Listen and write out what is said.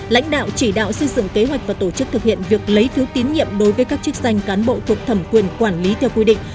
lãnh đạo chỉ đạo xây dựng kế hoạch và tổ chức thực hiện việc lấy phiếu tín nhiệm đối với các chức danh cán bộ thuộc thẩm quyền quản lý theo quy định